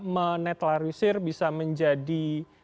menetelarisir bisa menjadi